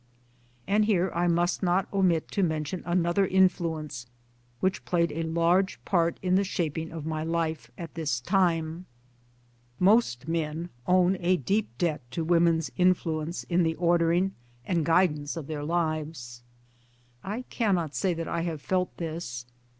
And here I must not omit to mention another influence which played a large part in the shaping of my life at this time. Most men own a deep debt to women's influence in the ordering and guidance CAMBRIDGE! 69 of their lives. I cannot say that I have felt this.